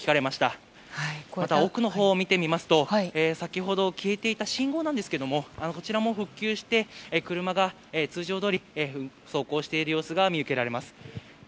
また、奥のほうを見てみますと先ほど消えていた信号ですがこちらも復旧して車が通常どおり走行している様子が見受けられます。